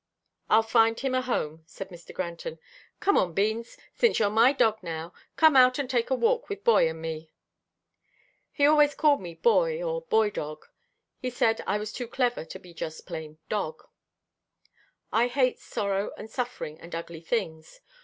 "I'll find a home for him," said Mr. Granton. "Come on, Beans, since you're my dog now, come out and take a walk with Boy and me." He always called me Boy or Boy Dog. He said I was too clever to be just plain dog. I hate sorrow and suffering and ugly things.